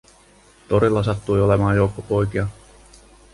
Torilla sattui olemaan joukko poikia.